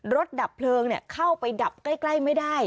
ดับเพลิงเข้าไปดับใกล้ไม่ได้